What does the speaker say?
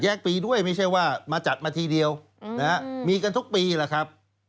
ปีด้วยไม่ใช่ว่ามาจัดมาทีเดียวมีกันทุกปีแหละครับ